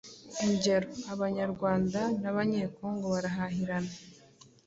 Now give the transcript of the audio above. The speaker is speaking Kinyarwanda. Ingero: Abanyarwanda n’Abanyekongo barahahirana.